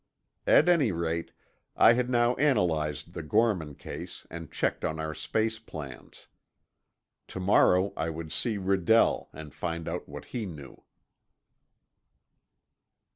At any rate, I had now analyzed the Gorman case and checked on our space plans. Tomorrow I would see Redell and find out what he knew.